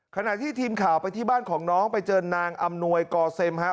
ขณะที่ทีมข่าวไปที่บ้านของน้องไปเจอนางอำนวยกอเซ็มครับ